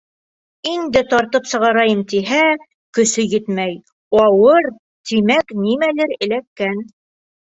Инде тартып сығарайым тиһә, көсө етмәй: ауыр, тимәк, нимәлер эләккән.